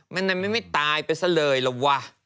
มันไม่ตายไปซะเลยล่ะวะ